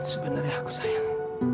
sebenarnya aku sayang